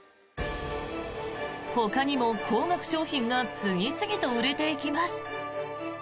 ほかにも高額商品が次々と売れていきます。